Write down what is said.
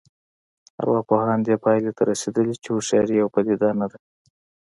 ارواپوهان دې پایلې ته رسېدلي چې هوښیاري یوه پدیده نه ده